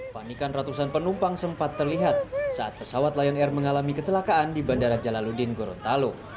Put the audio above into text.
panikan ratusan penumpang sempat terlihat saat pesawat lion air mengalami kecelakaan di bandara jalaludin gorontalo